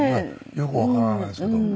よくわからないですけど。